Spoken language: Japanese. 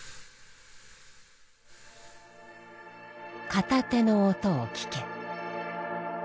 片手の音を聞け。